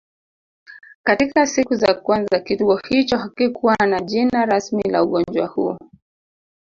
Katika siku za kwanza kituo hicho hakikuwa na jina rasmi la ugonjwa huu